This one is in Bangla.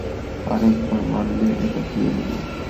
আরেকবার মারলে, এটা ফেলে দেবো!